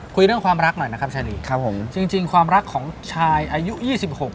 คุยเรื่องความรักหน่อยนะครับชายลีจริงความรักของชายอายุ๒๖ค์